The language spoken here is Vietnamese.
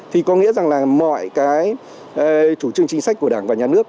thì có nghĩa rằng là mọi cái chủ trương chính sách của đảng và nhà nước